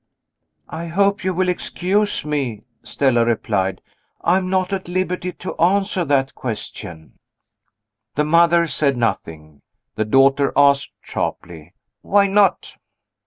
"I hope you will excuse me," Stella replied. "I am not at liberty to answer that question." The mother said nothing. The daughter asked sharply, "Why not?"